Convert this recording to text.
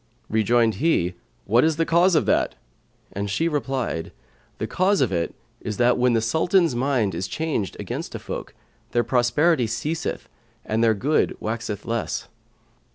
Rejoined he, "What is the cause of that?"; and she replied, "The cause of it is that when the Sultan's[FN#125] mind is changed against a folk, their prosperity ceaseth and their good waxeth less."